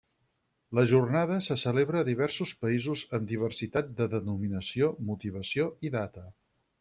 La jornada se celebra a diversos països amb diversitat de denominació, motivació i data.